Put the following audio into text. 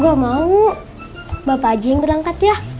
gue mau bapak aja yang berangkat ya